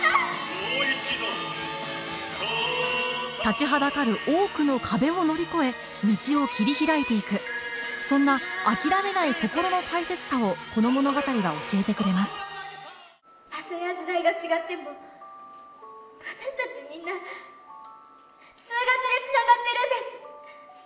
もう一度立ちはだかる多くの壁を乗り越え道を切り開いていくそんなをこの物語は教えてくれます場所や時代が違っても私達みんな数学でつながってるんです